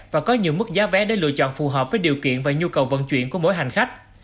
và có nhiều mức giá vé để lựa chọn phù hợp với điều kiện và nhu cầu vận chuyển của mỗi hành khách